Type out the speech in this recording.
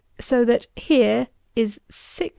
So that, here is 6_s.